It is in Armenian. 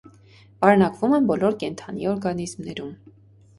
Պարունակվում են բոլոր կենդանի օրգանիզմներում։